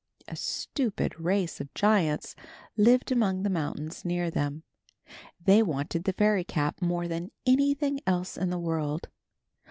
A stupid race of giants lived among the mountains near them. They wanted the fairy cap more than anything else in the world.